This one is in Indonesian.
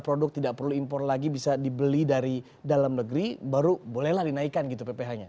produk tidak perlu impor lagi bisa dibeli dari dalam negeri baru bolehlah dinaikkan gitu pph nya